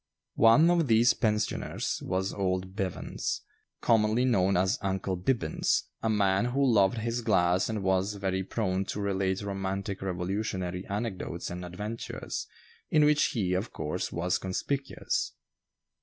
One of these pensioners was old Bevans, commonly known as "Uncle Bibbins," a man who loved his glass and was very prone to relate romantic Revolutionary anecdotes and adventures, in which he, of course, was conspicuous.